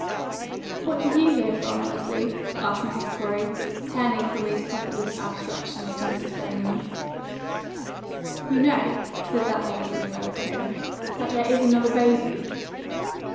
"What do you hear from Leslie?" asked Mrs. Corey, turning from these profitless abstractions to Mrs. Bellingham. "You know," said that lady in a lower tone, "that there is another baby?"